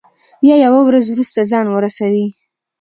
یا یوه ورځ وروسته ځان ورسوي.